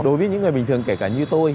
đối với những người bình thường kể cả như tôi